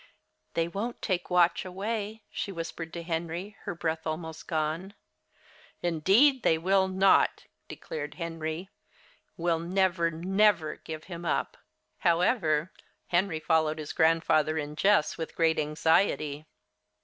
"They won't take Watch away?" she whispered to Henry, her breath almost gone. "Indeed they will not!" declared Henry. "We'll never, never give him up." However, Henry followed his grandfather and Jess with great anxiety.